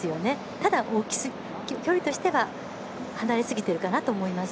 ただ、距離としては離れすぎているかなと思います。